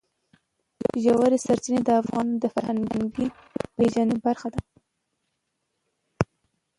ژورې سرچینې د افغانانو د فرهنګي پیژندنې برخه ده.